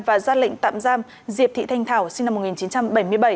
và ra lệnh tạm giam diệp thị thanh thảo sinh năm một nghìn chín trăm bảy mươi bảy